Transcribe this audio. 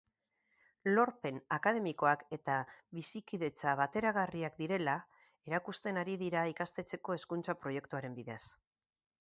Lorpen akademikoak eta bizikidetza bateragarriak direla erakusten ari dira ikastetxeko hezkuntza proiektuaren bidez.